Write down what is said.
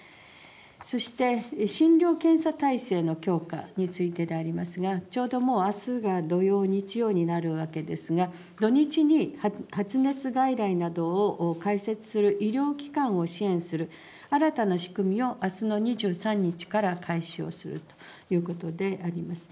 そして診療検査体制の強化についてでありますが、ちょうどもうあすが土曜、日曜になるわけですが、土日に発熱外来などを開設する医療機関を支援する新たな仕組みを、あすの２３日から開始をするということであります。